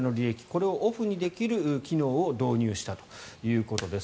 これをオフにできる機能を導入したということです。